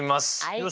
よし！